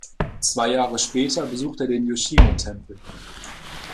Zwei Jahre später besucht er den Yoshino-Tempel.